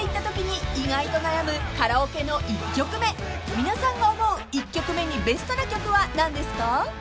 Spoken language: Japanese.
［皆さんが思う１曲目にベストな曲は何ですか？］